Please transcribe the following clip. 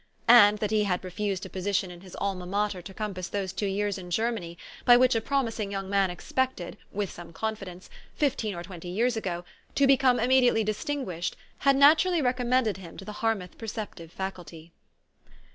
And that he had THE STORY OF AVIS. 73 refused a position in his Alma Mater to compass those two years in Germany, by which a promising 3 r oung man expected, with some confidence, fifteen or twenty 3 T ears ago, to become immediately " dis tinguished," had naturally recommended him to the Harmouth perceptive Faculty.